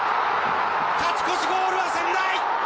勝ち越しゴールは仙台！